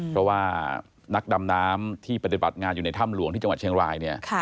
เพราะว่านักดำน้ำที่ปฏิบัติงานอยู่ในถ้ำหลวงที่จังหวัดเชียงรายเนี่ย